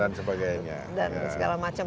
dan sebagainya dan segala macam